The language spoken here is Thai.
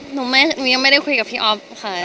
หนูยังไม่ได้คุยกับพี่อ๊อฟค่ะ